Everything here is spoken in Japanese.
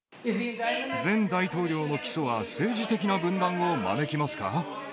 前大統領の起訴は、政治的な分断を招きますか？